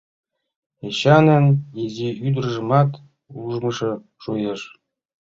Эчанын изи ӱдыржымат ужмыжо шуэш.